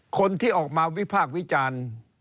คนที่ออกมาวิพากษ์วิจารณ์